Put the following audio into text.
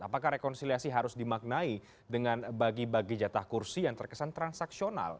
apakah rekonsiliasi harus dimaknai dengan bagi bagi jatah kursi yang terkesan transaksional